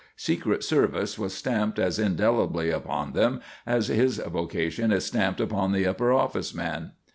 Secret service was stamped as indelibly upon them as his vocation is stamped upon the upper office man.